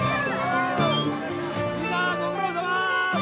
みんなご苦労さま。